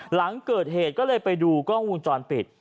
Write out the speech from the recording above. หลังเกิดเหตุก็เลยไปดูกล้องวงจรปิด